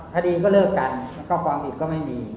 คดีก็เลิกกันแล้วก็ความผิดก็ไม่มี